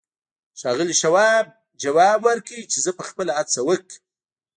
ښاغلي شواب ځواب ورکړ چې زه به خپله هڅه وکړم.